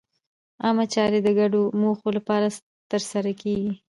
عامه چارې د ګډو موخو لپاره ترسره کېږي.